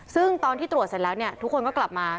ซึ่งตอนที่ตรวจเสร็จแล้วเนี่ยทุกคนก็กลับมา